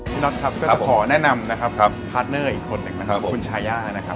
น็อตครับก็ขอแนะนำนะครับพาร์ทเนอร์อีกคนหนึ่งนะครับคุณชายานะครับ